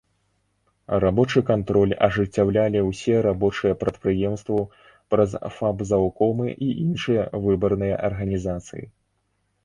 Рабочы кантроль ажыццяўлялі ўсе рабочыя прадпрыемстваў праз фабзаўкомы і іншыя выбарныя арганізацыі.